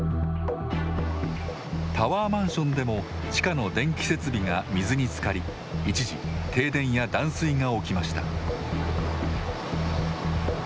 タワーマンションでも地下の電気設備が水につかり一時、停電や断水が起きました。